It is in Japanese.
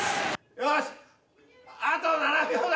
よしあと７秒だ！